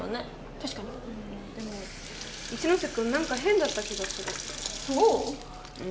確かにでも一ノ瀬君何か変だった気がするそう？